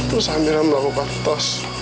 terus amirah melakukan tos